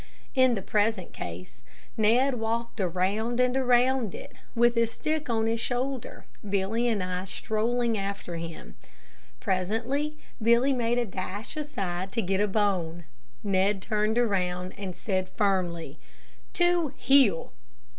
In the present case, Ned walked around and around it, with his stick on his shoulder, Billy and I strolling after him. Presently Billy made a dash aside to get a bone. Ned turned around and said firmly, "To heel!"